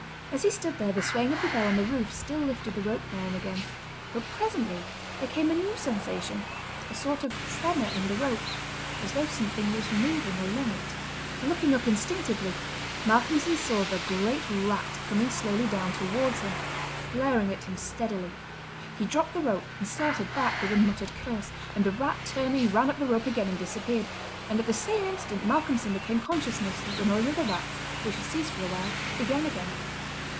As he stood there the swaying of the bell on the roof still lifted the rope now and again; but presently there came a new sensation—a sort of tremor in the rope, as though something was moving along it. Looking up instinctively Malcolmson saw the great rat coming slowly down towards him, glaring at him steadily. He dropped the rope and started back with a muttered curse, and the rat turning ran up the rope again and disappeared, and at the same instant Malcolmson became conscious that the noise of the rats, which had ceased for a while, began again.